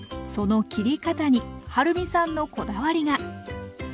その切り方にはるみさんのこだわりが！